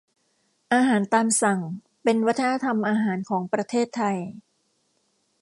อาหารตามสั่ง เป็นวัฒนธรรมอาหารของประเทศไทย